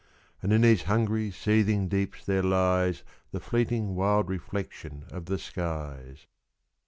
— And in these hungry seething deeps there lies The fleeting wild reflection of the skies.